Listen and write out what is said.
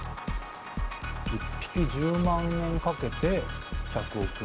１匹１０万円かけて１００億円。